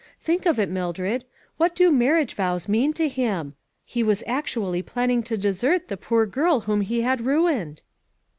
Think of it, Mildred. What do marriage vows mean to him ? He was actually planning to desert the poor girl whom he had ruined